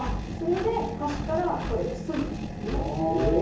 端から包んでいきます。